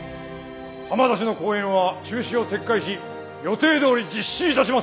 浜田氏の講演は中止を撤回し予定どおり実施いたします。